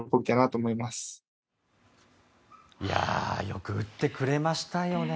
よく打ってくれましたよね。